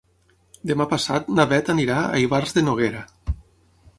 Demà passat na Bet anirà a Ivars de Noguera.